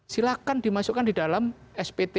silahkan dimasukkan di dalam spt